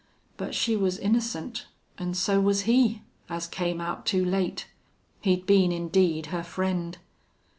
But she was innocent, an' so was he, as came out too late. He'd been, indeed, her friend.